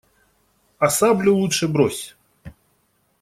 А саблю лучше брось.